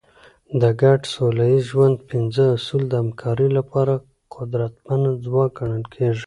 د ګډ سوله ییز ژوند پنځه اصول د همکارۍ لپاره قدرتمند ځواک ګڼل کېږي.